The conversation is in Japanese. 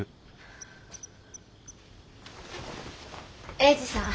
英治さん。